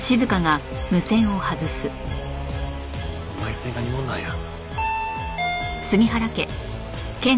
お前一体何者なんや？